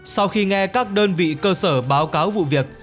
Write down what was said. sau khi nghe các đơn vị cơ sở báo cáo vụ việc